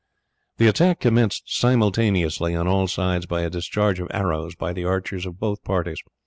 The attack commenced simultaneously on all sides by a discharge of arrows by the archers of both parties.